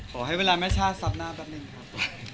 ขอให้เวลาแม่ชาติซับหน้าแป๊บหนึ่งครับ